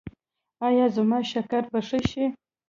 ایا زما شکر به ښه شي؟